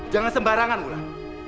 jangan sembarangan wulan